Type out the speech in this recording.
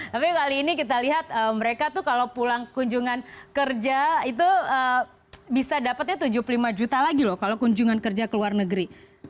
tapi kali ini kita lihat mereka tuh kalau pulang kunjungan kerja itu bisa dapatnya tujuh puluh lima juta lagi loh kalau kunjungan kerja ke luar negeri